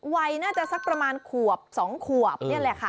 วัยน่าจะสักประมาณขวบ๒ขวบนี่แหละค่ะ